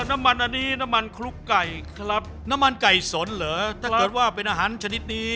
น้ำมันอันนี้น้ำมันคลุกไก่ครับน้ำมันไก่สนเหรอถ้าเกิดว่าเป็นอาหารชนิดนี้